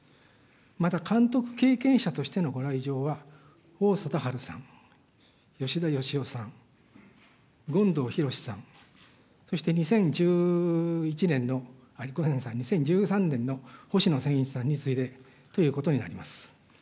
また監督経験者としてのご来場は、王貞治さん、よしだよしおさん、ごんどうひろしさん、そして２０１１年の、ごめんなさい、２０１３年の星野仙一さんに次いでということになります。